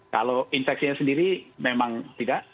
kalau infeksinya sendiri memang tidak